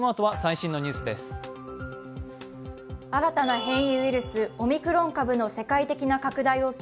新たな変異ウイルス・オミクロン株の世界的な拡大を受け